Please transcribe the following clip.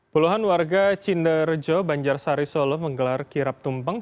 puluhan warga cinderjo banjar sari solo menggelar kirap tumpeng